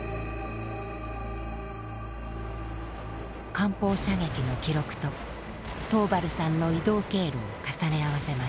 艦砲射撃の記録と桃原さんの移動経路を重ね合わせました。